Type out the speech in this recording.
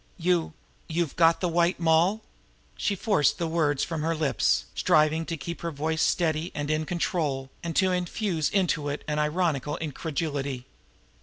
"You you've got the White Moll?" She forced the words from her lips, striving to keep her voice steady and in control, and to infuse into it an ironical incredulity.